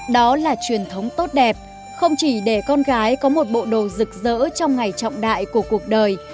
đó là truyền thống tốt đẹp không chỉ để con gái có một bộ đồ rực rỡ trong ngày trọng đại của cuộc đời